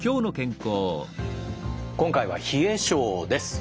今回は冷え症です。